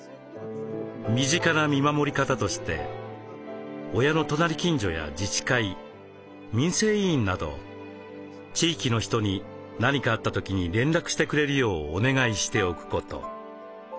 身近な見守り方として親の隣近所や自治会民生委員など地域の人に何かあった時に連絡してくれるようお願いしておくこと。